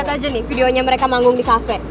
lihat aja nih videonya mereka manggung di kafe